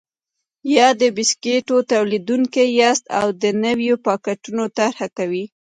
یا د بسکېټو تولیدوونکي یاست او د نویو پاکټونو طرحه کوئ.